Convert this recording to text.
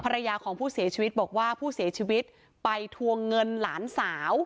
ภรรยาของผู้เสียชีวิตบอกว่าผู้เสียชีวิตไปทวงเงินหลานสาว